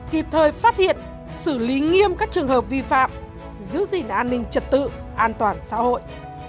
kịp thời phát hiện xử lý nghiêm các trường hợp vi phạm giữ gìn an ninh trật tự an toàn xã hội